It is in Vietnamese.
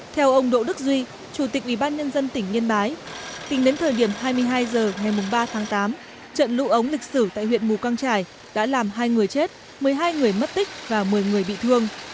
theo ông đỗ đức duy chủ tịch ubnd tỉnh yên bái tính đến thời điểm hai mươi hai h ngày ba tháng tám trận lũ ống lịch sử tại huyện mù căng trải đã làm hai người chết một mươi hai người mất tích và một mươi người bị thương